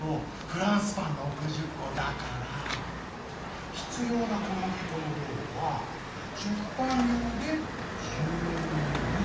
フランスパン６０こだからひつようなこむぎこの量は食パン用で１２ｋｇ。